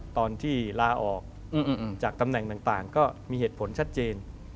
ตอนที่ลาออกจากตำแหน่งต่างก็มีเหตุผลชัดเจน